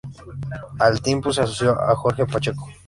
Al tiempo se asoció a Jorge Pacheco.